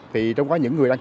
thì trong có những người đang